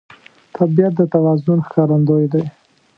طبیعت د توازن ښکارندوی دی.